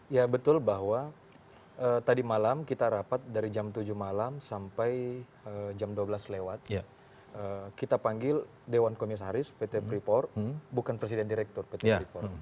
ya betul bahwa tadi malam kita rapat dari jam tujuh malam sampai jam dua belas lewat kita panggil dewan komisaris pt freeport bukan presiden direktur pt freeport